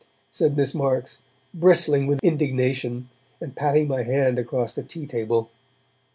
said Miss Marks, bristling with indignation, and patting my hand across the tea table.